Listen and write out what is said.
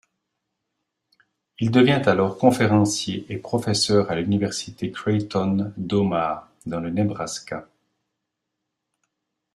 Il devient alors conférencier et professeur à l’université Creighton d’Omaha dans le Nebraska.